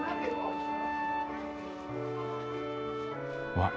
わっ！